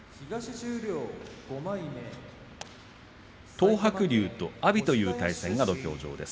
東白龍と阿炎という対戦が土俵上です。